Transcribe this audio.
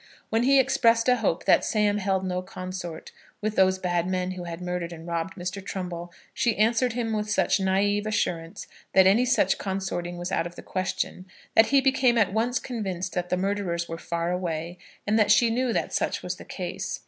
When he expressed a hope that Sam held no consort with those bad men who had murdered and robbed Mr. Trumbull, she answered him with such naïve assurance that any such consorting was out of the question, that he became at once convinced that the murderers were far away, and that she knew that such was the case.